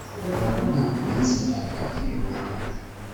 Bobo ntabwo yizeraga ibihuha